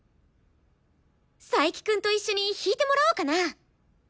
佐伯くんと一緒に弾いてもらおうかな！